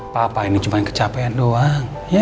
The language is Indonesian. papa ini cuma yang kecapean doang